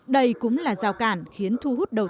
đây cũng là rào cản khiến thu hút đầu tư